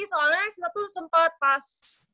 soalnya sita tuh sempet pas